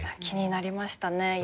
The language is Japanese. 気になりましたね。